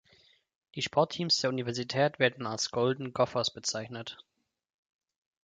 Die Sportteams der Universität werden als "Golden Gophers" bezeichnet.